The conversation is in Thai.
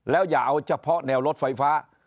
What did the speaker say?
แล้วอย่าเอาเฉพาะแนวรถไฟฟ้า